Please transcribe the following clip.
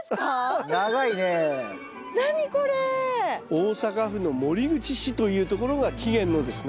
大阪府の守口市というところが起源のですね